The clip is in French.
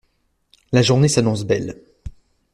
La journée s’annonce belle.